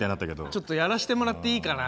ちょっとやらしてもらっていいかな？